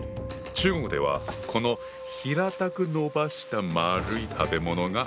中国ではこの平たくのばした丸い食べ物が。